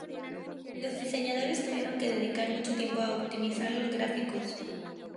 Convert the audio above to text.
Los diseñadores tuvieron que dedicar mucho tiempo a optimizar los gráficos.